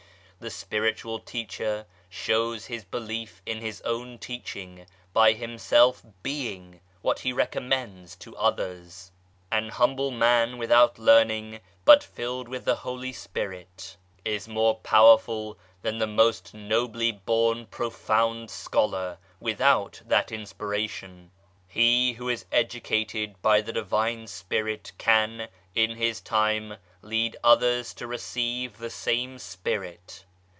The Spiritual Teacher shows his belief in his own teaching, by himself being what he recommends to others. An humble man without learning, but filled with the Holy Spirit, is more powerful than the most nobly born profound scholar, without that inspiration. He who is educated by the Divine Spirit can, in his time, lead others to receive the same Spirit.